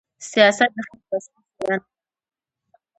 سیاست د خلکو اصلي څېره نه ده.